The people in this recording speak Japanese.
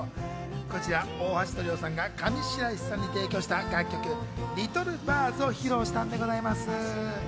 こちら大橋トリオさんが上白石さんに提供した楽曲『ＬｉｔｔｌｅＢｉｒｄｓ』を披露したんでございます。